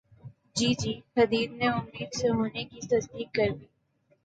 جی جی Hadid نے امید سے ہونے کی تصدیق کردی